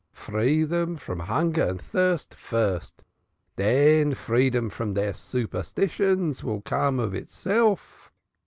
Free dem from hunger and tirst first, den freedom from deir fool superstitions vill come of itself.